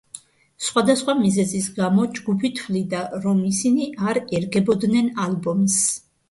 სხვადასხვა მიზეზის გამო, ჯგუფი თვლიდა, რომ ისინი არ ერგებოდნენ ალბომს.